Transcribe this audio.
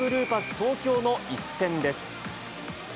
東京の一戦です。